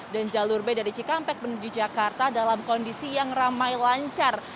dan jalur b dari jekampek menuju jakarta dalam kondisi yang ramai lancar